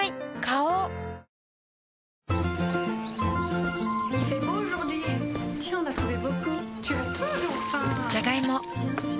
花王じゃがいも